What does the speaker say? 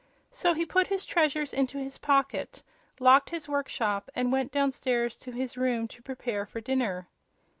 So he put his treasures into his pocket, locked his workshop and went downstairs to his room to prepare for dinner.